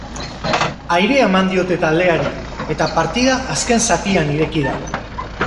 Airea eman diote taldeari, eta partida azken zatian ireki da.